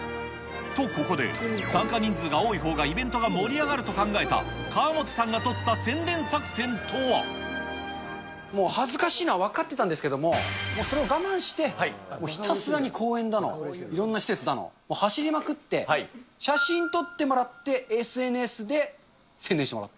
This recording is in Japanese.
と、ここで、参加人数が多いほうがイベントが盛り上がると考えた、川本さんがもう恥ずかしいのは分かってたんですけど、それを我慢してひたすらに公園だの、いろんな施設だの、走りまくって、写真撮ってもらってＳＮＳで宣伝してもらう。